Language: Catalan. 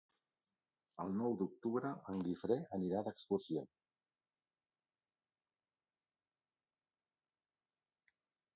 El nou d'octubre en Guifré anirà d'excursió.